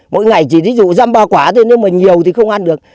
mỗi ngày chỉ ví dụ răm ba quả thôi nếu mà nhiều thì không ăn được